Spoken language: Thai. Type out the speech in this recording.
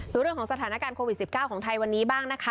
ดูเรื่องของสถานการณ์โควิด๑๙ของไทยวันนี้บ้างนะคะ